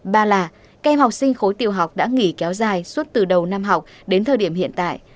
ba là các em học sinh khối tiểu học đã nghỉ kéo dài suốt từ đầu năm học đến thời điểm hiện tại